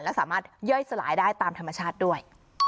และสามารถย่อยสลายได้ตามธรรมชาติด้วย